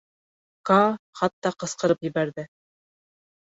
— Каа хатта ҡысҡырып ебәрҙе.